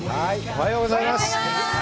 おはようございます。